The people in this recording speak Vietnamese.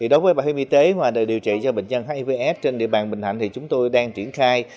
đối với bảo hiểm y tế mà để điều trị cho bệnh nhân hivf trên địa bàn bình thạnh thì chúng tôi đang triển khai